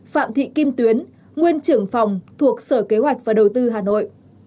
sáu phạm thị kim tuyến nguyên trưởng phòng thuộc sở kế hoạch và đầu tư hà nội